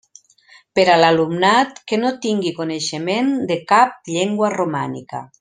Per a l'alumnat que no tingui coneixement de cap llengua romànica.